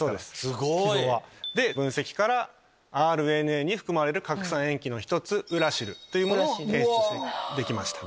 すごい！分析からＲＮＡに含まれる核酸塩基の１つウラシルを検出できました。